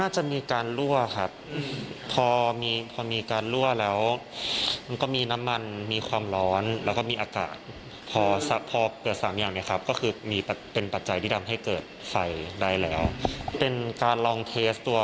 ใช่ครับพี่มีอะไรเขาก็จะแนะนำคอยสอนและชีแนะมีพอิ่นตลอดนะครับ